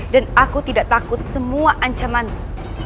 dan aku tidak takut semua ancamanmu